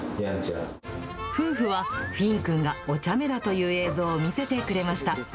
夫婦はフィンくんがおちゃめだという映像を見せてくれました。